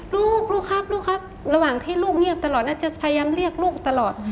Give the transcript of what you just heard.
ลูกลูกครับลูกครับระหว่างที่ลูกเงียบตลอดน่าจะพยายามเรียกลูกตลอด